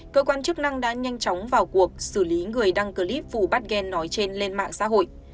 cơ quan chức năng đã nhanh chóng vào cuộc xử lý người đăng clip phụ bắt ghen nói trên lên mạng xã hội